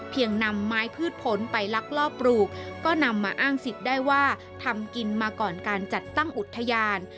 นำไม้พืชผลไปลักลอบปลูกก็นำมาอ้างสิทธิ์ได้ว่าทำกินมาก่อนการจัดตั้งอุทยาน